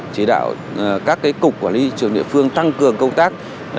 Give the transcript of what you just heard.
chỉ đạo các cục quản lý thị trường địa phương tăng cường công tác